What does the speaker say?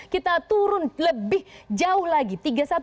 kita turun lebih jauh lagi